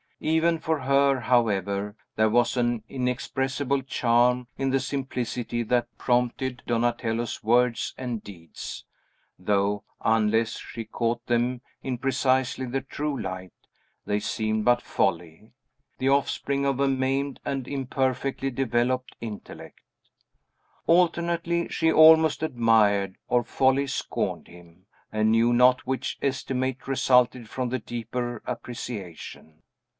Even for her, however, there was an inexpressible charm in the simplicity that prompted Donatello's words and deeds; though, unless she caught them in precisely the true light, they seemed but folly, the offspring of a maimed or imperfectly developed intellect. Alternately, she almost admired, or wholly scorned him, and knew not which estimate resulted from the deeper appreciation.